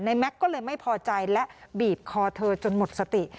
แม็กซ์ก็เลยไม่พอใจและบีบคอเธอจนหมดสติ